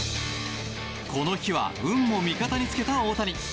この日は運も味方につけた大谷。